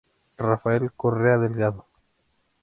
Rafael Correa Delgado.